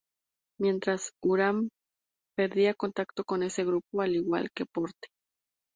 Mientras, Urán perdía contacto con ese grupo al igual que Porte.